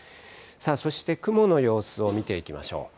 そして雲の様子を見ていきましょう。